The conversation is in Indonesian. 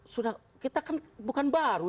sudah kita kan bukan baru